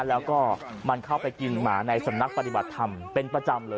แล้วก็มันเข้าไปกินหมาในสำนักปฏิบัติธรรมเป็นประจำเลย